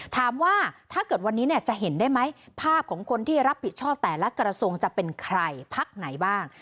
ถามว่าถ้าเกิดวันนี้เนี่ยจะเห็นได้ไหมภาพของคนที่รับผิดชอบแต่ละกระทรวงจะเป็นใครพักไหนบ้าง